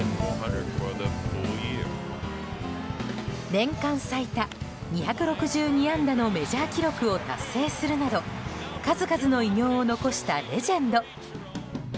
年間最多２６２安打のメジャー記録を達成するなど数々の偉業を残したレジェンド。